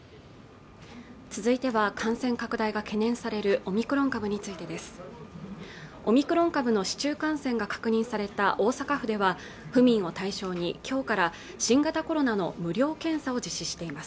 続いては感染拡大が懸念されるオミクロン株についてですオミクロン株の市中感染が確認された大阪府では府民を対象にきょうから新型コロナの無料検査を実施しています